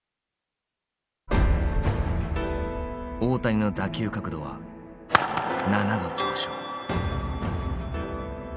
大谷の打球角度は７度上昇。